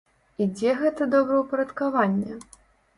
І дзе гэта добраўпарадкаванне?